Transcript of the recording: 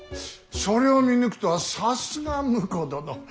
それを見抜くとはさすが婿殿。